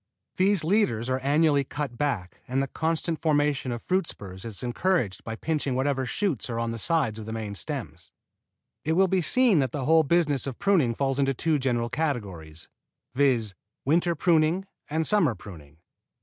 These leaders are annually cut back and the constant formation of fruit spurs is encouraged by pinching whatever shoots are on the sides of the main stems. It will be seen that the whole business of pruning falls into two general categories, viz., winter pruning and summer pruning.